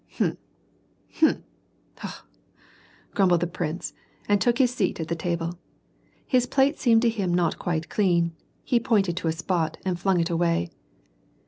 1* Hm ! Hm ! kh ! kh !" grumbled the prince, and took his seat at the table. His plate seemed to him not quite clean ; he pointed to a spot, and fliing it away.